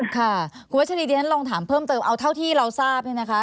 ค่ะคุณวัชรีเดี๋ยวฉันลองถามเพิ่มเติมเอาเท่าที่เราทราบเนี่ยนะคะ